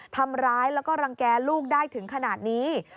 ทำร้ายแล้วก็รังแก่ลูกได้ถึงขนาดนี้